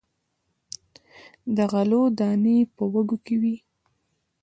د غلو دانې په وږو کې وي.